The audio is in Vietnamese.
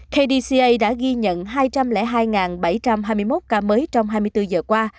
kdca đã ghi nhận hai trăm linh hai bảy trăm hai mươi một ca mới trong hai mươi bốn giờ qua